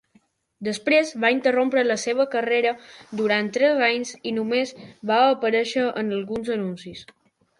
Després, va interrompre la seva carrera durant tres anys i només va aparèixer en alguns anuncis.